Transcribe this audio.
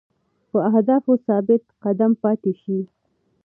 په اهدافو ثابت قدم پاتې شئ.